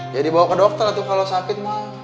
ya dibawa ke dokter tuh kalau sakit mah